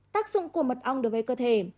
tác dụng của mật ong đối với cơ thể